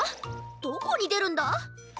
どこにでるんだ？